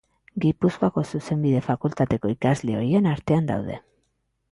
Gipuzkoako Zuzenbide Fakultateko ikasle ohien artean daude.